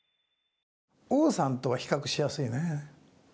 王さんとは比較しやすいね。